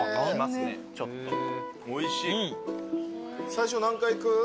最初何階行く？